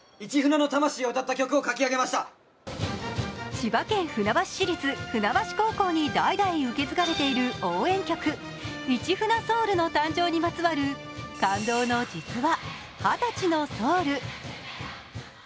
千葉県船橋市立船橋高校に代々受け継がれている応援曲「市船ソウル」の誕生にまつわる感動の実話